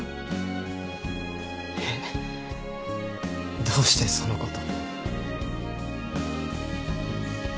えっ？どうしてそのこと。